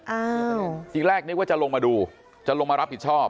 อ่าทีแรกนึกว่าจะลงมาดูจะลงมารับผิดชอบ